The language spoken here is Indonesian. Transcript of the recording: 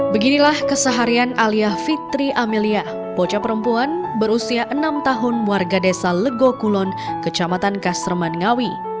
beginilah keseharian alia fitri amelia bocah perempuan berusia enam tahun warga desa legokulon kecamatan kasreman ngawi